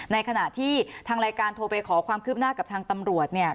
ในขณะที่ทางรายการโทรไปขอความคืบหน้ากับทางตำรวจเนี่ย